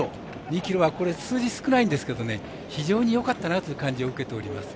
２ｋｇは数字、少ないんですけど非常によかったなという感じを受けております。